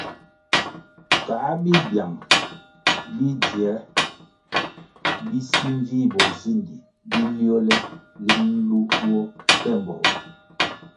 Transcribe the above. Kā bibyang bidzie bi si nvih bozindi bi liole linʼ nlu duo temboh.